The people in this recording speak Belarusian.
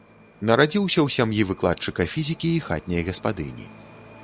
Нарадзіўся ў сям'і выкладчыка фізікі і хатняй гаспадыні.